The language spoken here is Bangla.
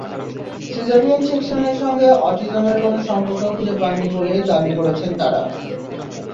সিজারিয়ান সেকশনের সঙ্গে অটিজমের কোনো সম্পর্ক খুঁজে পাননি বলেই দাবি করেছেন তাঁরা।